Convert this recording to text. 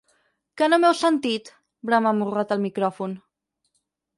¿Que no m'heu sentit?, brama amorrat al micròfon.